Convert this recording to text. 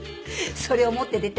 それを持って出て。